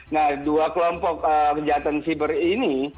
nah dua kelompok kejahatan siber ini